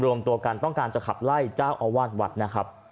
รวมตัวกันต้องการจะขับไล่เจ้าอาวาสวัดนะครับ